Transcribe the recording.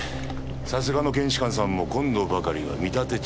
さすがの検視官さんも今度ばかりは見立て違いか。